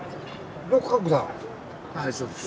はいそうです。